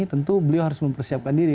tentu beliau harus mempersiapkan diri